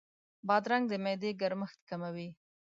بادرنګ د معدې ګرمښت کموي.